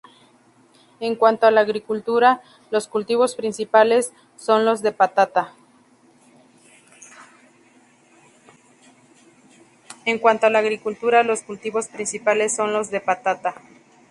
En cuanto a la agricultura, los cultivos principales son los de patata.